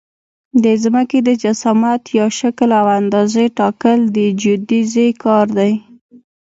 د ځمکې د جسامت یا شکل او اندازې ټاکل د جیودیزي کار دی